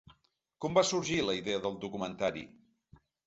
Com va sorgir la idea del documentari?